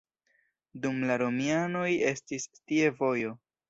Dum la romianoj estis tie vojo.